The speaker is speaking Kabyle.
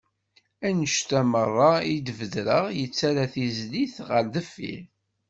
Annenct-a meṛṛa i d-bedreɣ, yettarra tizlit ɣer deffir.